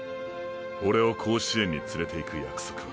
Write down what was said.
俺を甲子園につれて行く約束は。